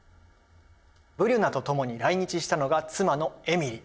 ブリュナと共に来日したのが妻のエミリ。